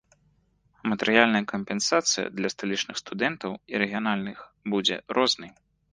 А матэрыяльная кампенсацыя для сталічных студэнтаў і рэгіянальных будзе рознай.